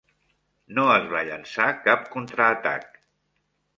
No es va llençar cap contraatac.